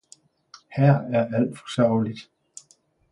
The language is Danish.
her er alt for sørgeligt!